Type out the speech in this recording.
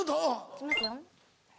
いきますよ。